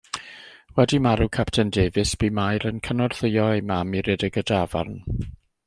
Wedi marw Capten Davies bu Mair yn cynorthwyo ei mam i redeg y dafarn.